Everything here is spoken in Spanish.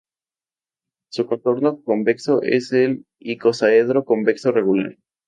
Su contorno convexo es el icosaedro convexo regular.